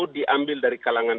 diambil dari kalangan